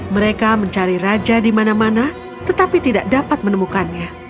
mereka mencari raja di mana mana tetapi tidak dapat menemukannya